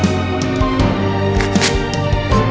lu udah ngapain